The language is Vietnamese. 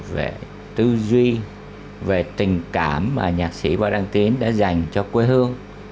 về tư duy về tình cảm mà nhạc sĩ võ đăng tín đã dành cho quê hương